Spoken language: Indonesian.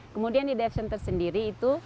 kemudian di dive center sendiri itu